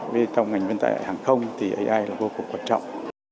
vì trong ngành vận tải hàng không thì ai là vô cùng quan trọng